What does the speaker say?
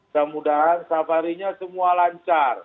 semudah safarinya semua lancar